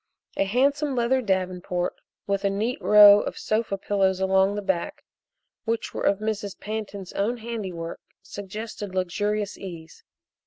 A handsome leather davenport with a neat row of sofa pillows along the back, which were of Mrs. Pantin's own handiwork, suggested luxurious ease.